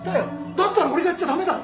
だったら俺がやっちゃ駄目だろ。